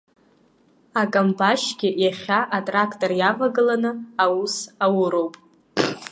Акамбашьгьы иахьа атрактор иавагыланы аус ауроуп.